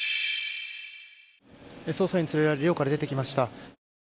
捜査員に連れられて寮から出てきました。